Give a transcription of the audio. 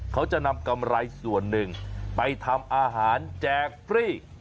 เขาจะนำกำไรส่วนหนึ่งไปทำอาหารแจกฟรี